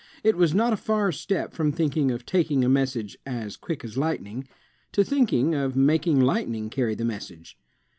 It was not a far step from thinking of taking a message as "quick as light ning," to thinking of making lightning carry the message.